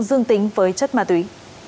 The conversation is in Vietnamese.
dương tính với chất ma túy